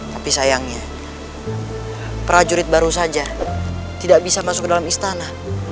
tapi sayangnya prajurit baru saja tidak bisa masuk ke dalam istana